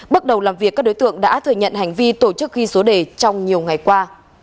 bước đầu làm việc các đối tượng đã thừa nhận hành vi tổ chức ghi số đề trong nhiều ngày qua